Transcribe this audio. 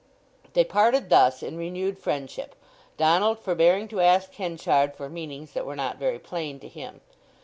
They parted thus in renewed friendship, Donald forbearing to ask Henchard for meanings that were not very plain to him.